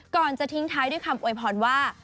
ก่อนจะทิ้งท้ายด้วยคำอวยพรว่า